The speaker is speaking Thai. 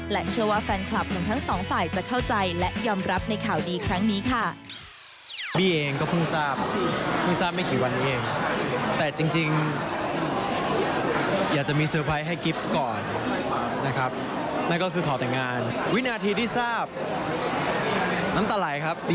เชื่อว่าแฟนคลับหนุ่มทั้งสองฝ่ายจะเข้าใจและยอมรับในข่าวดีครั้งนี้ค่ะ